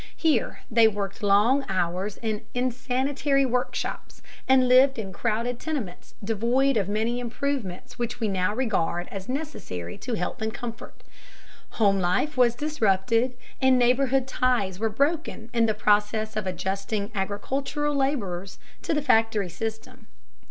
Here they worked long hours in insanitary work shops, and lived in crowded tenements devoid of many improvements which we now regard as necessary to health and comfort. Home life was disrupted, and neighborhood ties were broken in the process of adjusting agricultural laborers to the factory system.